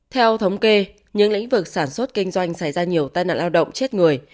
theo thống kê những lĩnh vực sản xuất kinh doanh xảy ra nhiều tai nạn lao động chết người